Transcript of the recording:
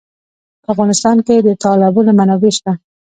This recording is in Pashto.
په افغانستان کې د تالابونه منابع شته.